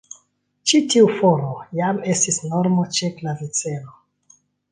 Ĉi tiu formo jam estis normo ĉe klaviceno.